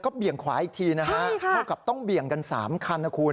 ก็เบี่ยงขวาอีกทีนะฮะใช่ค่ะเหมือนกับต้องเบี่ยงกันสามคันนะคุณ